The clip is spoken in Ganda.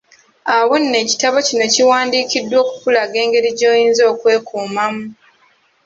Awo nno ekitabo kino kiwandikiddwa okukulaga engeri gy'oyinza okwekuumamu.